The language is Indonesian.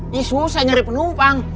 ih susah nyari penumpang